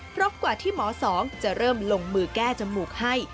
เพราะกว่าที่หมอสองจะเริ่มลงมือแก้จมูกให้